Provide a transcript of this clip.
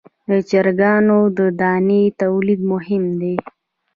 د چرګانو د دانې تولید مهم دی